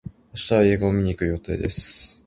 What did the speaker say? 明日は映画を見に行く予定です。